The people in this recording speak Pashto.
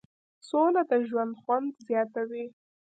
سوله د ژوند خوند زیاتوي.